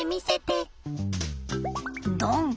ドン！